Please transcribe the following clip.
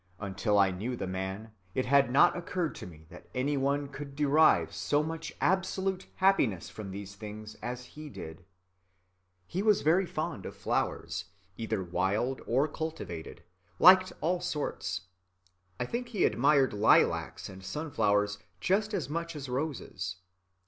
Until I knew the man," continues Dr. Bucke, "it had not occurred to me that any one could derive so much absolute happiness from these things as he did. He was very fond of flowers, either wild or cultivated; liked all sorts. I think he admired lilacs and sunflowers just as much as roses.